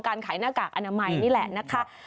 การขายหน้ากากอนามัยนี่แหละนะคะ